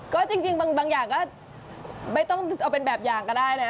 ก็จริงบางอย่างก็ไม่ต้องเอาเป็นแบบอย่างก็ได้นะ